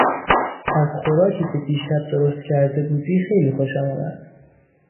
از خوراکی که دیشب درست کرده بودی خیلی خوشم آمد.